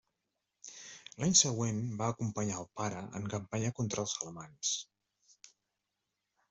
L'any següent va acompanyar al pare en campanya contra els alamans.